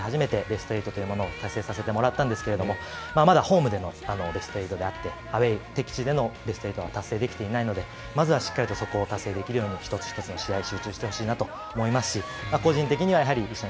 ベスト８というものを達成させてもらったんですがまだホームでのベスト８であって、アウェー、敵地でのベスト８は達成できていないのでそこを達成できるように集中してほしいなと思います。